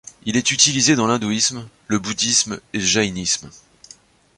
Il est utilisé dans l'hindouisme, le bouddhisme et le jaïnisme.